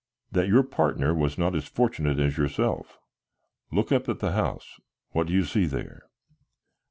"That your partner was not as fortunate as yourself. Look up at the house; what do you see there?"